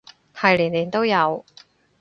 係年年都有